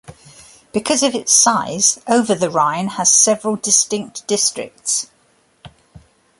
Because of its size, Over-the-Rhine has several distinct districts.